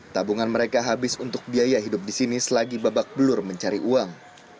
tabungan mereka habis untuk biaya hidup di sini selagi babak belur mencari uang